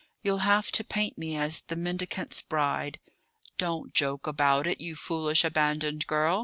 You'll have to paint me as 'The Mendicant's Bride.'" "Don't joke about it, you foolish, abandoned girl!"